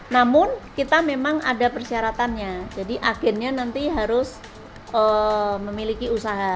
namun kita memang ada persyaratannya jadi agennya nanti harus memiliki usaha